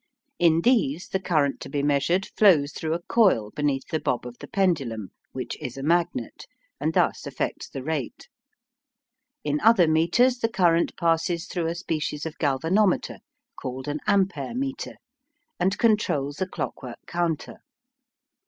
In these the current to be measured flows through a coil beneath the bob of the pendulum, which is a magnet, and thus affects the rate. In other meters the current passes through a species of galvanometer called an ampere meter, and controls a clockwork counter.